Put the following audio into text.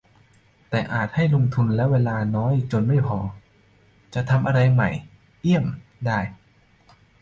แต่อาจให้ทุนและเวลาน้อยจนไม่พอจะทำอะไรใหม่เอี่ยมได้ ?